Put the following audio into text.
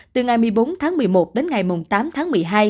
từ ngày một mươi bốn tháng một mươi một đến ngày tám tháng một mươi hai